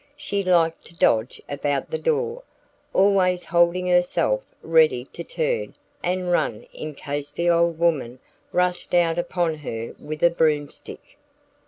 She liked to dodge about the door, always holding herself ready to turn and run in case the old woman rushed out upon her with a broomstick.